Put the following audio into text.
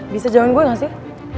bisa jawaban gue gak sih